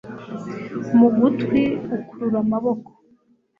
mu gutwi, gukurura amaboko